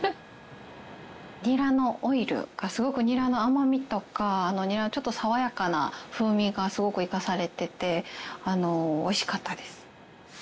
ニラのオイルがすごくニラの甘みとかニラのちょっと爽やかな風味がすごく生かされてて美味しかったです。